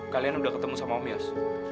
kalian udah ketemu sama om yos